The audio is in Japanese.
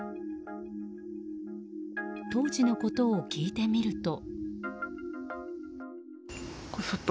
当時のことを聞いてみると。